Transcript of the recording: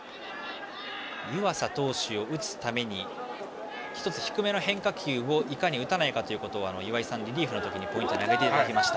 湯浅投手を打つために１つ低めの変化球をいかに打たないかということを岩井さん、リリーフの時にポイントに挙げていただきました。